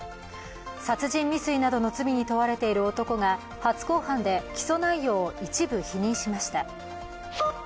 殺人未遂などの罪に問われている男が初公判で起訴内容を一部否認しました。